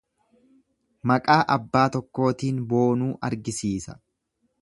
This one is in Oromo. Maqaa abbaa tokkootiin boonuu argisiisa.